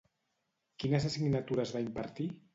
Quines assignatures va impartir?